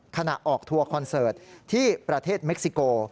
ขณะออกทัวร์คอนเสิร์ตที่ประเทศเม็กซิโก